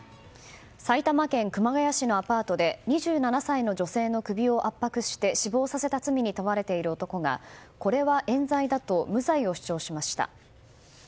埼玉県熊谷市のアパートで２７歳の女性の首を圧迫して死亡させた罪に問われている男がこれは冤罪だと無罪を主張しました。